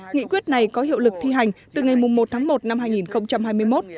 nghị quyết này có hiệu lực thi hành từ ngày một tháng một năm hai nghìn hai mươi một